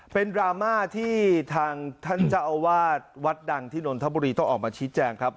เป็นดราม่าที่ทางท่านเจ้าอาวาสวัดดังที่นนทบุรีต้องออกมาชี้แจงครับ